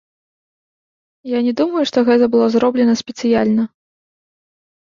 Я не думаю, што гэта было зроблена спецыяльна.